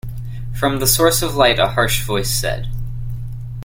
From the source of light a harsh voice said.